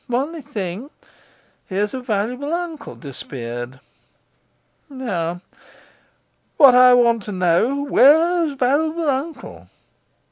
Only thing: here's a valuable uncle disappeared. Now, what I want to know: where's valuable uncle?